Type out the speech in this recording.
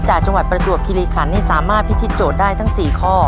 จังหวัดประจวบคิริขันให้สามารถพิธีโจทย์ได้ทั้ง๔ข้อ